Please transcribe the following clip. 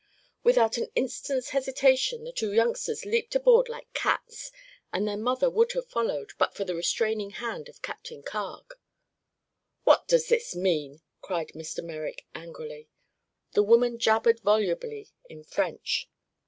Without an instant's hesitation the two youngsters leaped aboard like cats and their mother would have followed but for the restraining hand of Captain Carg. "What does this mean?" cried Mr. Merrick angrily. The woman jabbered volubly in French.